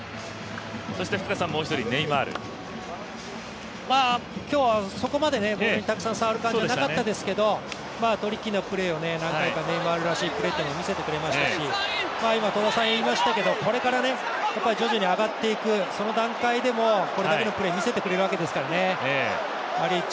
ネイマールは今日はそこまでボールに触るシーンはなかったですけどトリッキーなプレーを何回かネイマールらしいプレーを見せてくれましたしこれから徐々に上がっていく、その段階でもこれだけのプレー見せてくれるわけですからね。